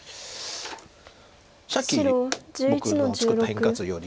さっき僕の作った変化図より。